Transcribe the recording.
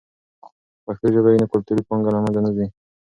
که پښتو ژبه وي، نو کلتوري پانګه له منځه نه ځي.